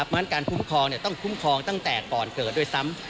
เพราะฉะนั้นการคุ้มครองต้องคุ้มครองตั้งแต่ก่อนเกิดด้วยซ้ำ